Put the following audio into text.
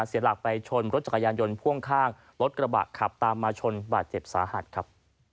เสียหลักไปชนรถจักรยานยนต์พ่วงข้างรถกระบะขับตามมาชนบาดเจ็บสาหัสครับ